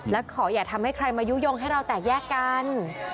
และขออย่าทำให้ใครมายุโยงให้เราแตกแยกกัน